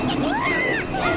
うわ！